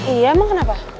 iya emang kenapa